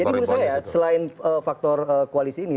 jadi menurut saya ya selain faktor koalisi ini